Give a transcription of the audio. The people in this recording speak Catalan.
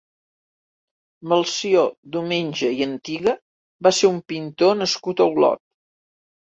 Melcior Domenge i Antiga va ser un pintor nascut a Olot.